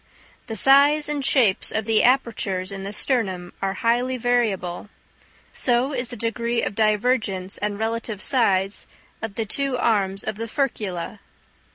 The size and shape of the apertures in the sternum are highly variable; so is the degree of divergence and relative size of the two arms of the furcula.